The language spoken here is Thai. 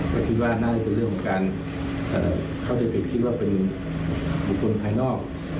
ก็คิดว่าน่าจะเป็นเรื่องของการเข้าใจผิดคิดว่าเป็นบุคคลภายนอก